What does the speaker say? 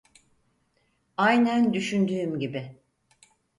Aynen düşündüğüm gibi.